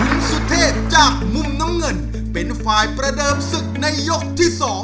คุณสุเทพจากมุมน้ำเงินเป็นฝ่ายประเดิมศึกในยกที่๒